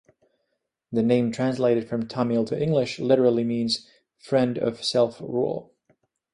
The name translated from Tamil to English literally means "friend of self rule".